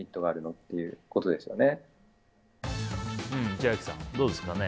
千秋さん、どうですかね。